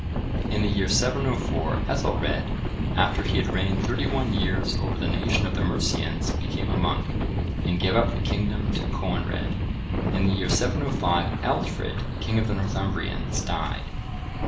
(1038) In the year 704, Ethelred, after he had reigned thirty one years over the nation of the Mercians, became a monk, and gave up the kingdom to Coenred. [V, 19.](1039) In the year 705, Aldfrid, king of the Northumbrians, died.